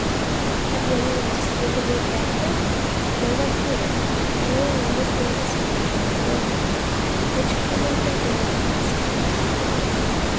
"Have you any one to speak to your character?" "No one here. I only landed this morning by the Thalia, which came in from England last night."